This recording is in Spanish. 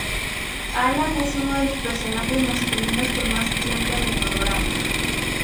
Alan es uno de los personajes masculinos con más tiempo en el programa.